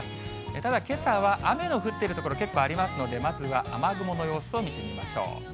ただけさは、雨の降っている所、結構ありますので、まずは雨雲の様子を見てみましょう。